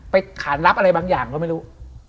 ขานรับอะไรบางอย่างก็ไม่รู้